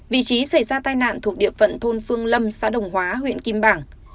vị trí xảy ra tai nạn thuộc địa phận thôn phương lâm xã đồng hóa huyện kim bảng